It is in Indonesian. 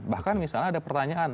bahkan misalnya ada pertanyaan